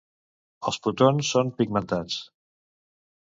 Els potons són pigmentats.